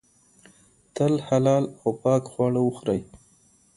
تل حلال او پاک خواړه وخورئ.